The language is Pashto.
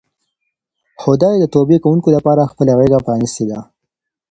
خدای د توبې کوونکو لپاره خپله غېږه پرانیستې ده.